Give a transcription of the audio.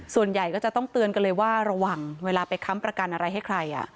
ส่วนใหญ่ก็จะต้องเตือนกันเลยว่าระวังเวลาไปค้ำประกันอะไรให้ใคร